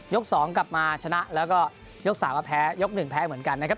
ยกสองกลับมาชนะแล้วก็ยกสามมาแพ้ยกหนึ่งแพ้เหมือนกันนะครับ